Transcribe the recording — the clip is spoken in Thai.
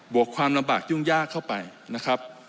วกความลำบากยุ่งยากเข้าไปนะครับ